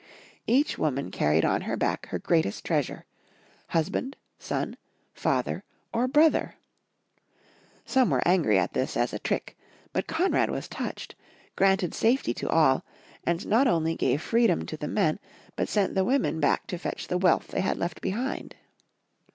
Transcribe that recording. Each woman carried on her back her greatest treasure — husband, son, father, or brother ! Some were angry at this as a trick, but Konrad was touched, granted safety to all, and not only gave freedom to the men, but sent the wemon back to fetch the wealth they had left behind.